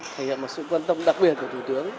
thì là một sự quan tâm đặc biệt của thủ tướng